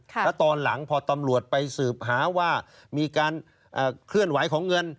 แล้วตอนหลังพอตำรวจไปสืบหาว่ามีการเคลื่อนไหวของเงิน